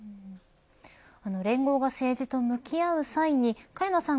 連合が政治と向き合う際に萱野さん